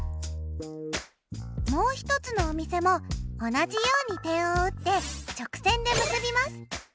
もう一つのお店も同じように点を打って直線で結びます。